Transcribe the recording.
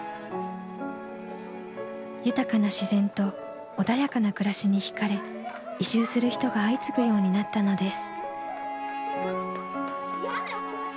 豊かな自然と穏やかな暮らしにひかれ移住する人が相次ぐようになったのです。